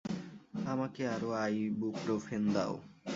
আমাকে আরো আইবুপ্রোফেন দাও।